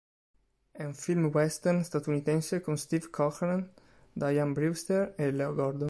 È un film western statunitense con Steve Cochran, Diane Brewster e Leo Gordon.